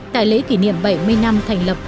tại lễ kỷ niệm bảy mươi năm thành lập